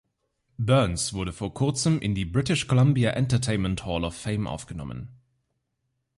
Byrnes wurde vor kurzem in die British Columbia Entertainment Hall of Fame aufgenommen.